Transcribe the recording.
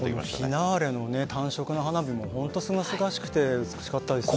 フィナーレの単色の花火も清々しくて美しかったですね。